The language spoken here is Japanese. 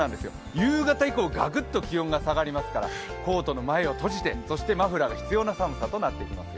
夕方以降はガクッと気温が下がりますからコートの前を閉じて、そしてマフラーが必要な寒さとなってきますよ。